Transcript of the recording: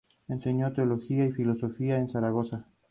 Experiencias para una economía al servicio de la gente